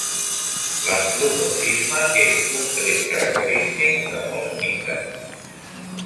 L'antropomorfisme és un tret característic de molts mites.